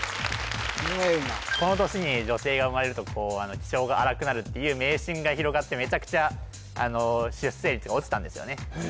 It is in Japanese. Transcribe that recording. この年に女性が生まれると気性が荒くなるっていう迷信が広がってメチャクチャ出生率が落ちたんですよね